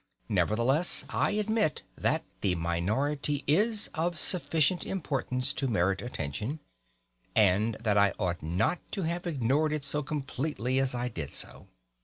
Nevertheless, I admit that the minority is of sufficient importance to merit attention, and that I ought not to have ignored it so completely as I did do.